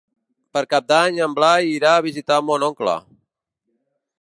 Per Cap d'Any en Blai irà a visitar mon oncle.